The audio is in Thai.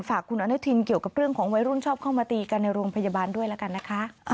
ฝากคุณอนุทีนเกี่ยวกับเรื่องของวัยรุ่นชอบข้อมตีกันในโรงพยาบาลด้วยล่ะ